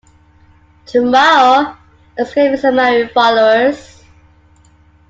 ‘Tomorrow!’ exclaimed his admiring followers.